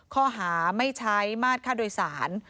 ข้อหาไม่ใช้มาตรค่าโดยสาร